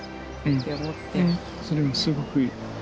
それはすごくいい。